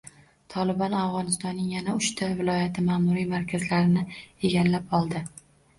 “Tolibon” Afg‘onistonning yana uchta viloyat ma’muriy markazlarini egallab oldi